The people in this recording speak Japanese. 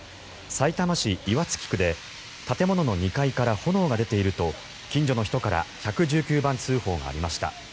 さいたま市岩槻区で建物の２階から炎が出ていると近所の人から１１９番通報がありました。